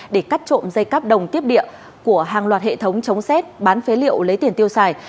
để cắt trộm dây cáp đồng tiếp địa của hàng loạt hệ thống chống xét bán phế liệu lấy tiền tiêu xài